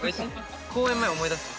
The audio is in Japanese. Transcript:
公演前思い出す？